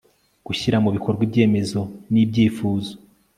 Gushyira mu bikorwa ibyemezo n ibyifuzo